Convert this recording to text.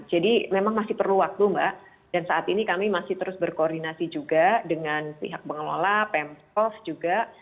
jadi memang masih perlu waktu mbak dan saat ini kami masih terus berkoordinasi juga dengan pihak pengelola pemprov juga